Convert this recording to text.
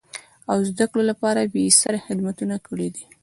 او زده کړو لپاره بېسارې خدمتونه کړیدي.